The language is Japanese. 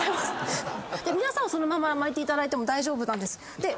皆さんはそのまま巻いていただいても大丈夫です。